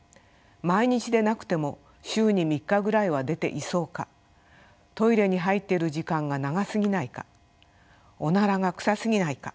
毎日でなくても週に３日ぐらいは出ていそうかトイレに入っている時間が長過ぎないかオナラが臭過ぎないか。